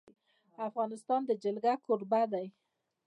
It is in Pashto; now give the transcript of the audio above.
افغانستان د جلګه کوربه دی.